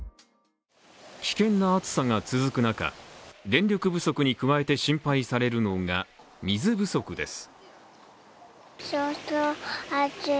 危険な暑さが続く中、電力不足に加えて心配されるのが水不足です。